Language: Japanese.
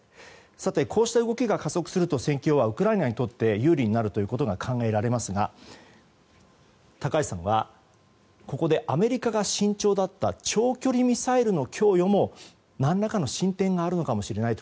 こうした動きが加速すると戦況は、ウクライナにとって有利になることが考えられますが高橋さんはここでアメリカが慎重だった長距離ミサイルの供与も何らかの進展があるのかもしれないと。